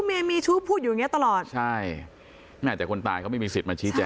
เมียมีชู้พูดอยู่อย่างเงี้ตลอดใช่แม่แต่คนตายเขาไม่มีสิทธิ์มาชี้แจง